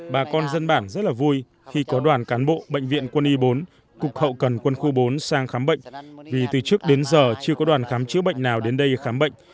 bà con dân bản rất là vui khi có đoàn cán bộ bệnh viện quân y bốn cục hậu cần quân khu bốn sang khám bệnh vì từ trước đến giờ chưa có đoàn khám chữa bệnh nào đến đây khám bệnh